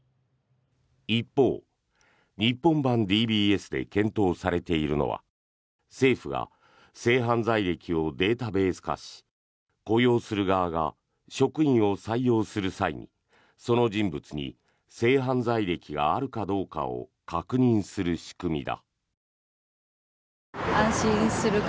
一方、日本版ＤＢＳで検討されているのは政府が性犯罪歴をデータベース化し雇用する側が職員を採用する際にその人物に性犯罪歴があるかどうかを確認する仕組みだ。